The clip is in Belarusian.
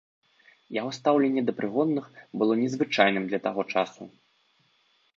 Яго стаўленне да прыгонных было незвычайным для таго часу.